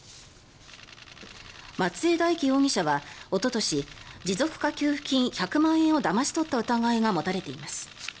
松江大樹容疑者はおととし持続化給付金１００万円をだまし取った疑いが持たれています。